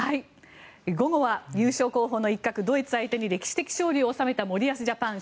午後は優勝候補の一角ドイツ相手に歴史的勝利を収めた森保ジャパン。